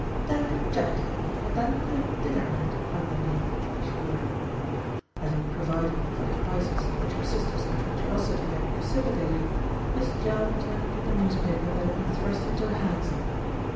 "Dap it gently, and then put a dinner mat under neath," she ordered. Having provided for the crisis which her sister's impetuosity had precipitated, Miss Jell turned to the newspaper that had been thrust into her hands.